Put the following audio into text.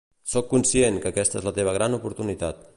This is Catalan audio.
Soc conscient que aquesta és la teva gran oportunitat.